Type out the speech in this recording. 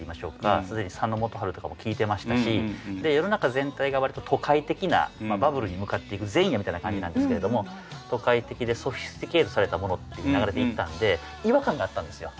すでに佐野元春とかも聴いてましたし世の中全体がわりと都会的なバブルに向かっていく前夜みたいな感じなんですけれども都会的でソフィスティケートされたものっていう流れでいったんで違和感があったんですよ。